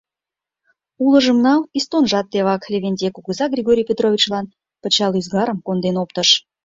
— Улыжым нал, пистонжат тевак, — Левентей кугыза Григорий Петровичлан пычал ӱзгарым конден оптыш.